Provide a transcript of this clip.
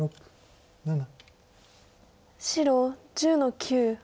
白１０の九。